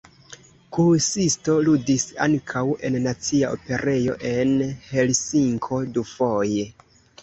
Kuusisto ludis ankaŭ en nacia operejo en Helsinko dufoje.